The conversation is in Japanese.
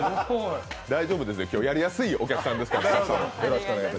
大丈夫ですよ、今日はやりやすいお客さんですから。